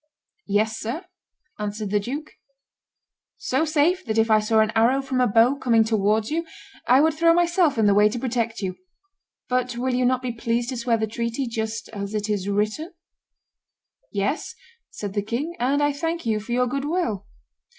"Yes, sir," answered the duke, "so safe that if I saw an arrow from a bow coming towards you I would throw myself in the way to protect you. But will you not be pleased to swear the treaty just as it is written?" "Yes," said the king, "and I thank you for your good will."